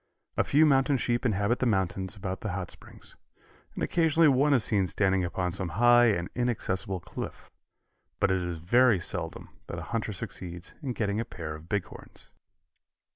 A few mountain sheep inhabit the mountains about the Hot Springs, and occasionally one is seen standing upon some high and inaccessible cliff, but it is very seldom that a hunter succeeds in getting a pair of big horns.